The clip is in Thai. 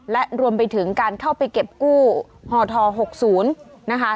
และรวมไปถึงการเข้าไปเก็บกู้ฮ๖๐นะคะ